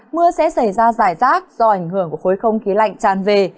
mưa sẽ xảy ra giải rác do ảnh hưởng của khối không khí lạnh tràn về